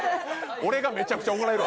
俺がめちゃくちゃ怒られるわ。